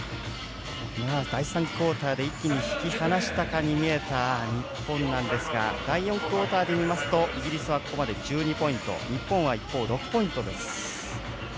第３クオーターで一気に引き離したかに見えた日本ですが第４クオーターで見ますとイギリスはここまで１２ポイント日本は一方６ポイントです。